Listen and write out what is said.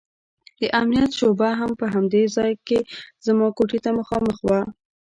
د امنيت شعبه هم په همدې ځاى کښې زما کوټې ته مخامخ وه.